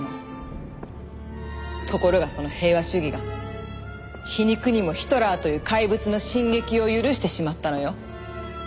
ところがその平和主義が皮肉にもヒトラーという怪物の進撃を許してしまったのよ。